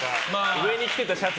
上に着てたシャツ